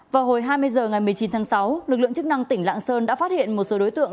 vào hồi hai mươi h ngày một mươi chín tháng sáu lực lượng chức năng tỉnh lạng sơn đã phát hiện một số đối tượng